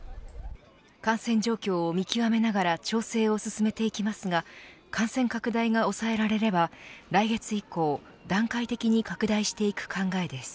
感染状況を見極めながら調整を進めていきますが感染拡大が抑えられれば来月以降、段階的に拡大していく考えです。